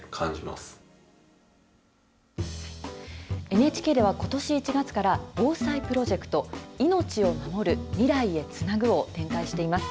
ＮＨＫではことし１月から、防災プロジェクト、命を守る未来へつなぐを展開しています。